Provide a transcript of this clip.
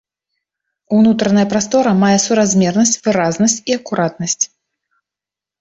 Унутраная прастора мае суразмернасць, выразнасць і акуратнасць.